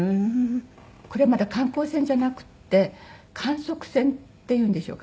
これ観光船じゃなくって観測船っていうんでしょうかね？